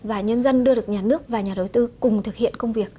và nhân dân đưa được nhà nước và nhà đối tư cùng thực hiện công việc